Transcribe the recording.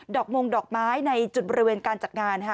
มงดอกไม้ในจุดบริเวณการจัดงาน